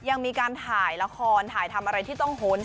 ยังมีการถ่ายละครถ่ายทำอะไรที่ต้องโหนส